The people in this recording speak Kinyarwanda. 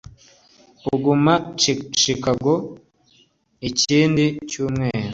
kuguma i Chicago ikindi cyumweru